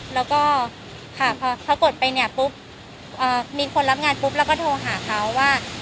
แล้วก็ค่ะพอเขากดไปเนี่ยปุ๊บมีคนรับงานปุ๊บแล้วก็โทรหาเขาว่า